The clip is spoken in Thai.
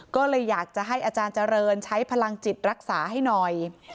ก็เลยอยากจะให้อาจารย์เจริญใช้พลังจิตรักษาให้หน่อย